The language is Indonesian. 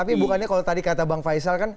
tapi bukannya kalau tadi kata bang faisal kan